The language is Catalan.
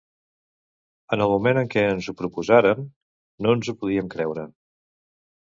En el moment en què ens ho proposaren, no ens ho podíem creure.